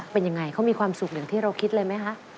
เป็นยังไงเขามีความสุขอย่างที่เราคิดเลยไหมคะ